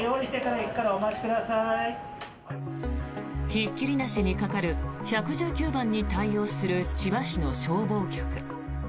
ひっきりなしにかかる１１９番に対応する千葉市の消防局。